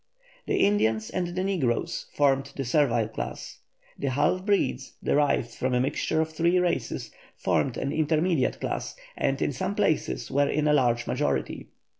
The Indians and the negroes formed the servile class. The half breeds, derived from a mixture of three races, formed an intermediate class, and in some places were in a large majority.